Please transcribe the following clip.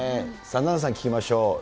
ナナさん聞きましょう。